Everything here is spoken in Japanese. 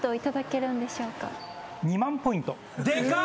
でかい！